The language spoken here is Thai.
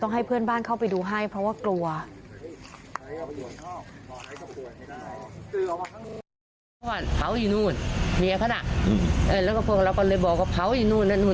ให้เพื่อนบ้านเข้าไปดูให้เพราะว่ากลัว